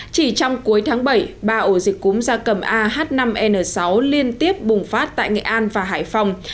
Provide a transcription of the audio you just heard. chỉ trong cuối tháng bảy ba ổ dịch cúm gia cầm ah năm n sáu liên tiếp bùng phát tại nghệ an và hải phòng